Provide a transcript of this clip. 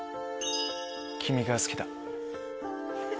君が好きだ。